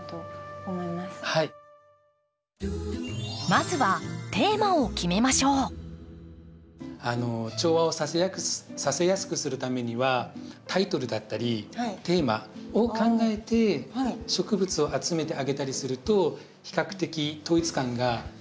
まずは調和をさせやすくするためにはタイトルだったりテーマを考えて植物を集めてあげたりすると比較的統一感が出やすくなったりします。